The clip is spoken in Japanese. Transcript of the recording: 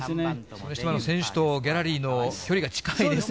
それにしても、選手とギャラリーの距離が近いですね。